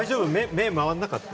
目、回らなかった？